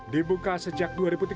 dibuka sejak dua ribu tiga belas